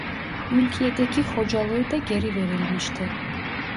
Mülkiyedeki hocalığı da geri verilmişti.